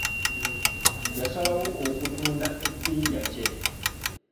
Yasalawo okutunda ebinja kye.